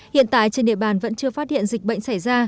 hiện tại trên địa bàn vẫn chưa phát hiện dịch bệnh xảy ra